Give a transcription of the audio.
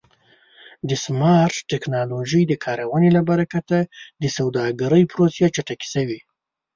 د سمارټ ټکنالوژۍ د کارونې له برکت د سوداګرۍ پروسې چټکې شوې.